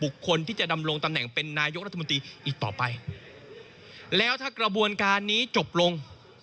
คนที่จะดำรงตำแหน่งเป็นนายกรัฐมนตรีอีกต่อไปแล้วถ้ากระบวนการนี้จบลง